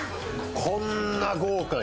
こんな豪華に。